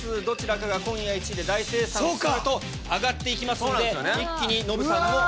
どちらかが今夜１位で大清算すると上がって行きますんで一気にノブさんも。